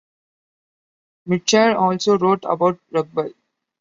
Mitchell also wrote about rugby.